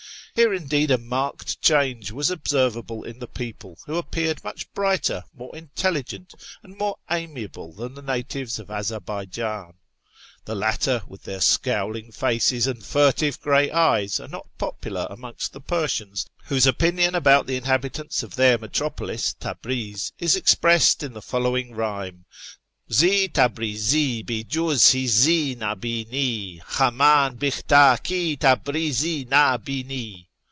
Here, indeed, a marked change was observable in the people, who appeared much brighter, more intelligent, and more amiable than the natives of Azarbaijan. The latter, with their scowling faces and furtive gray eyes, are not popular amongst the Persians, whose opinion about the inhabitants of their metropolis, Tabriz, is expressed in the following rhyme :—" Zi Tabrtzl hi juz Mzi na hint : Hamdn bihtar hi Tabrki na bini.''